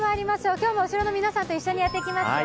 今日も後ろの皆さんと一緒にやっていきますか。